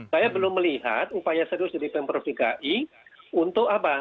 saya belum melihat upaya serius dari pemprov dki untuk apa